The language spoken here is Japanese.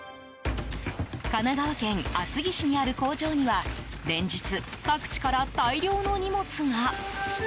神奈川県厚木市にある工場には連日各地から大量の荷物が。